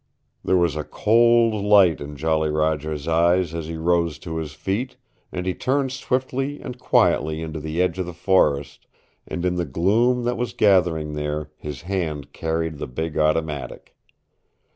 There was a cold light in Jolly Roger's eyes as he rose to his feet, and he turned swiftly and quietly into the edge of the forest, and in the gloom that was gathering there his hand carried the big automatic.